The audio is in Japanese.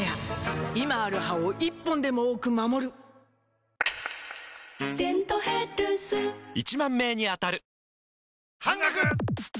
今ある歯を１本でも多く守る「デントヘルス」１０，０００名に当たる！